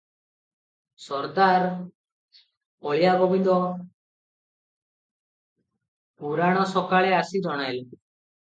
ସରଦାର ହଳିଆ ଗୋବିନ୍ଦ ପୁରାଣ ସକାଳେ ଆସି ଜଣାଇଲା